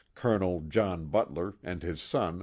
Colonel John Butler, and his son.